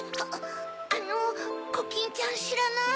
あのコキンちゃんしらない？